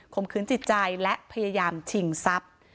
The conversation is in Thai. มขืนจิตใจและพยายามชิงทรัพย์